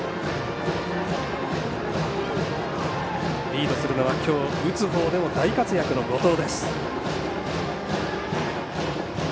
リードするのは今日、打つほうでも大活躍の後藤。